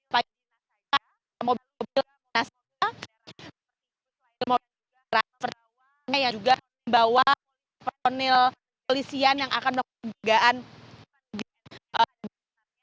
seperti mobil mobil yang dihasilkan mobil mobil yang dihasilkan yang juga membawa personil kepolisian yang akan melakukan penjagaan di depan jalan medan merdeka barat